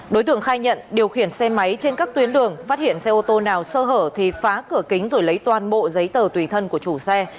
đối tượng khai nhận điều khiển xe máy trên các tuyến đường phát hiện xe ô tô nào sơ hở thì phá cửa kính rồi lấy toàn bộ giấy tờ tùy thân của chủ xe